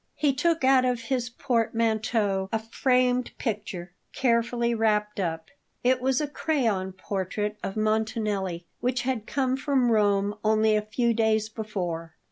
He took out of his portmanteau a framed picture, carefully wrapped up. It was a crayon portrait of Montanelli, which had come from Rome only a few days before.